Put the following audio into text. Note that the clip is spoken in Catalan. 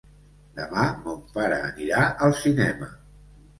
Demà mon pare anirà al cinema.